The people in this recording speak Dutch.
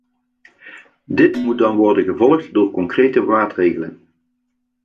Dit moet dan worden gevolgd door concrete maatregelen.